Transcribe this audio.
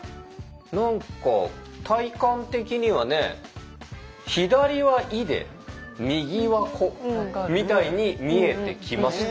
何か体感的にはね左は「い」で右は「こ」みたいに見えてきました。